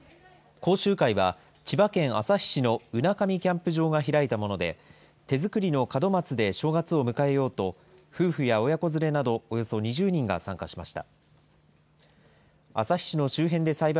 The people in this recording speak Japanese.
講習会は、千葉県旭市の海上キャンプ場が開いたもので、手作りの門松で正月を迎えようと、夫婦や親子連れなどおよそ２０人が参加しました。